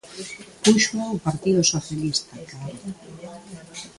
Púxoa o Partido Socialista, claro.